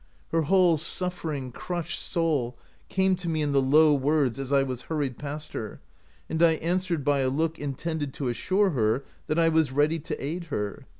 Her whole suffering, crushed soul came to me in the low words as I was hurried past her, and I answered by a look intended to assure her that I was ready to aid her.